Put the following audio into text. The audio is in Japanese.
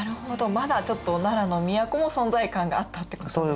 まだちょっと奈良の都も存在感があったってことですか。